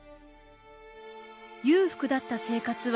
裕福だった生活は一変。